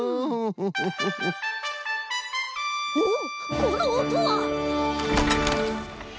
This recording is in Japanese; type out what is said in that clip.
おおこのおとは！